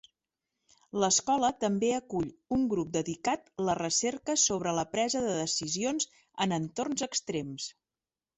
L'Escola també acull un grup dedicat la recerca sobre la presa de decisions en entorns extrems.